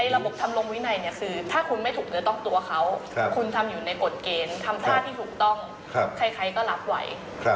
ระบบทำลงวินัยคือถ้าคุณไม่ถูกเนื้อต้องตัวเขาคุณทำอยู่ในกฎเกณฑ์ทำท่าที่ถูกต้องใครก็รับไหว